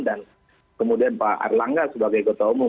dan kemudian pak arlangga sebagai kota umum